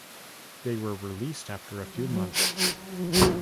They were released after a few months.